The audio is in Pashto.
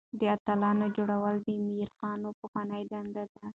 د اتلانو جوړول د مورخينو پخوانۍ دنده ده.